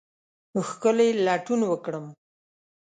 ښکلې لټون وکرم